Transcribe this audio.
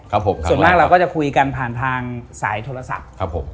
ส่วนมากเราก็จะคุยกันภารกิจกันผ่านทางสายโทรศัพท์